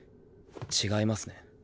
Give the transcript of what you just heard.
違いますね。